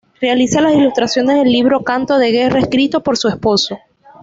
Realiza las ilustraciones del libro Canto de guerra escrito por su esposo.